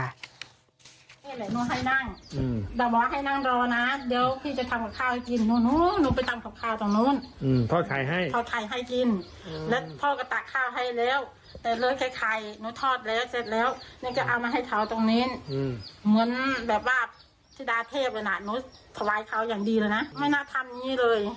นี่แหละหนูให้นั่งแต่บอกว่าให้นั่งรอนะเดี๋ยวพี่จะทำกับข้าวให้กิน